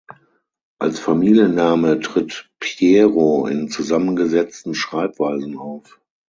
Als Familienname tritt Piero in zusammengesetzten Schreibweisen auf.